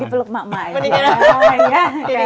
dipeluk mak mak ya